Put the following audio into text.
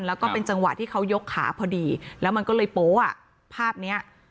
แล้วก็เป็นจังหวะที่เขายกขาพอดีแล้วมันก็เลยโป๊ะอ่ะภาพเนี้ย